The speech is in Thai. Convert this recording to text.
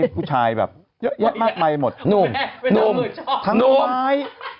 คู่ชีวิตได้